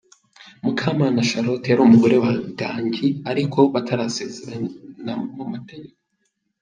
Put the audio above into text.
Mukamana Charlotte yari umugore wa Gangi ariko batarasezeranye mu mategeko.